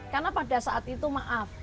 karena pada saat itu maaf